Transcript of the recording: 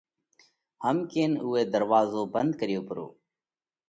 هم ڪينَ اُوئہ ڌروازو ڀنڌ ڪريو پرو۔